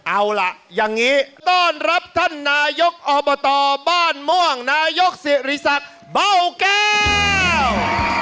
เอาล่ะอย่างนี้ต้อนรับท่านนายกอบตบ้านม่วงนายกสิริศักดิ์เบ้าแก้ว